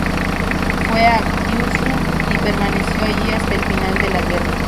Fue a Kyushu y permaneció allí hasta el final de la guerra.